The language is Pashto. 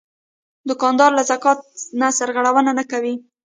دوکاندار له زکات نه سرغړونه نه کوي.